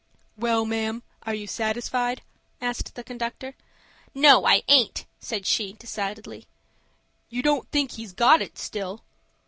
"Well, ma'am, are you satisfied?" asked the conductor. "No, I aint," said she, decidedly. "You don't think he's got it still?"